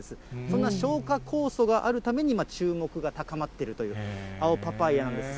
そんな消化酵素があるために、注目が高まっているという、青パパイヤなんです。